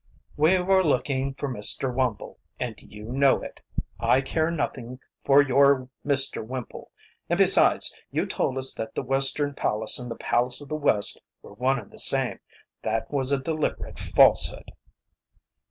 "We were looking for Mr. Wumble and you know it. I care nothing for your Mr. Wimple. And besides, you told us that the Western Palace and the Palace of the West were one and the same. That was a deliberate falsehood."